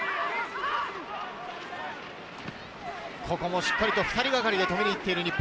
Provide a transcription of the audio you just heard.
ここもしっかり２人がかりで止めに行っている日本。